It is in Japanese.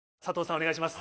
お願いします